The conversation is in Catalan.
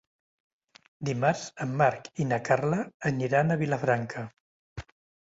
Dimarts en Marc i na Carla aniran a Vilafranca.